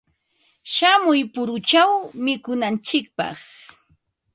Shamuy puruchaw mikunantsikpaq.